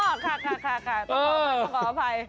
อออค่ะต้องขออภัย